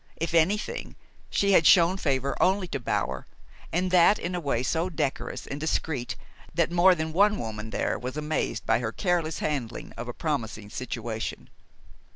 If anything, she had shown favor only to Bower, and that in a way so decorous and discreet that more than one woman there was amazed by her careless handling of a promising situation.